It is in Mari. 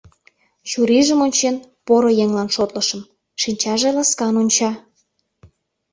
Чурийжым ончен, поро еҥлан шотлышым, шинчаже ласкан онча.